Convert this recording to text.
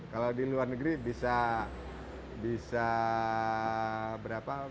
kalau di luar negeri bisa berapa